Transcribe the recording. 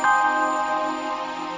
saya mau makan